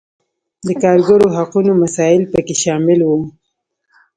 د کارګرو حقونو مسایل پکې شامل وو.